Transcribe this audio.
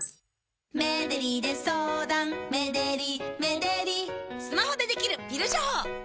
メデリで相談メデリメデリスマホでできるピル処方！